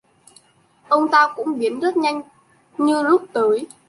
Ông ta cũng biến rất nhanh như lúc tới